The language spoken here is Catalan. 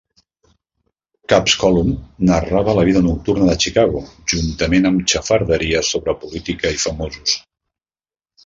"Kup's Column" narrava la vida nocturna de Chicago, juntament amb xafarderies sobre política i famosos.